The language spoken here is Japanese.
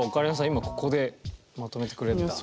今ここでまとめてくれるんだ。